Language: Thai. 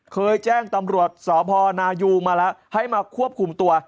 เคยแจ้งตำรวจสพนายูมาแล้วให้มาควบคุมตัว